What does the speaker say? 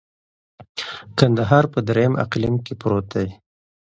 کندهار په دریم اقلیم کي پروت دی.